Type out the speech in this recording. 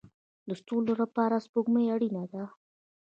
د ستورو لپاره سپوږمۍ اړین ده